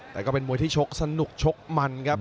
แต่ก็เป็นมวยที่ชกสนุกชกมันครับ